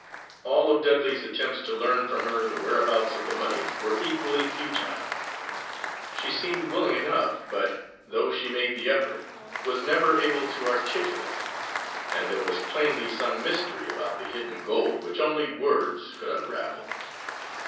All of Dudley's attempts to learn from her the whereabouts of the money were equally futile. She seemed willing enough, but, though she made the effort, was never able to articulate; and there was plainly some mystery about the hidden gold which only words could unravel.